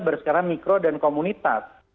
bersekara mikro dan komunitas